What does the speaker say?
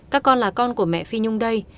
các con là con của mẹ phi nhung đây